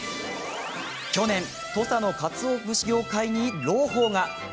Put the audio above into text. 去年、土佐のかつお節業界に朗報が。